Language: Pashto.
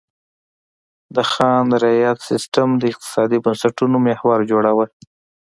د خان رعیت سیستم د اقتصادي بنسټونو محور جوړاوه.